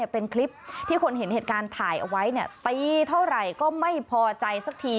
เป็นคลิปที่คนเห็นเหตุการณ์ถ่ายเอาไว้ตีเท่าไหร่ก็ไม่พอใจสักที